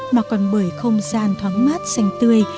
mà còn bởi không gian thoáng mát xanh tươi